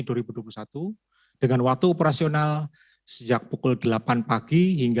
dengan waktu operasional sejak pukul delapan pagi hingga dua tiga puluh